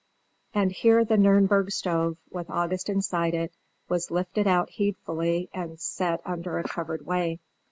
And here the Nürnberg stove, with August inside it, was lifted out heedfully and set under a covered way.